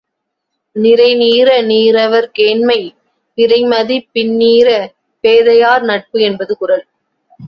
நிறைநீர நீரவர் கேண்மை பிறைமதிப் பின்னீர பேதையார் நட்பு என்பது குறள்.